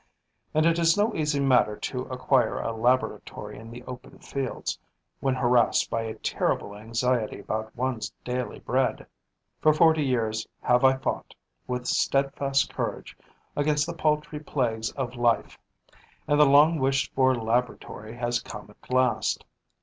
And it is no easy matter to acquire a laboratory in the open fields, when harassed by a terrible anxiety about one's daily bread. For forty years have I fought, with steadfast courage, against the paltry plagues of life; and the long wished for laboratory has come at last.